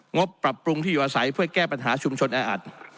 บปรับปรุงที่อยู่อาศัยเพื่อแก้ปัญหาชุมชนแออัด